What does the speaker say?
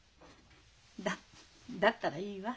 だったらいいわ。